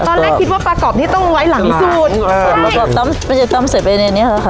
ตอนแรกคิดว่าปลากรอบนี่ต้องไว้หลังสูตรใช่ปลากรอบตำไม่ใช่ตำเสร็จไปในนี้ค่ะ